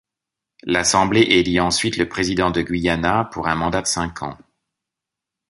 L'assemblée éli ensuite le Président du Guyana pour un mandat de cinq ans.